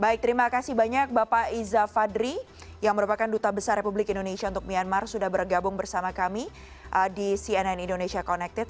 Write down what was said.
baik terima kasih banyak bapak iza fadri yang merupakan duta besar republik indonesia untuk myanmar sudah bergabung bersama kami di cnn indonesia connected